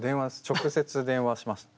直接電話しました。